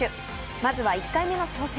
まずは１回目の挑戦。